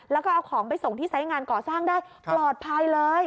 แล้วก็เอาของไปส่งที่ไซส์งานก่อสร้างได้ปลอดภัยเลย